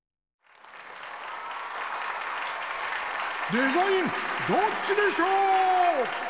「デザインどっちでショー」！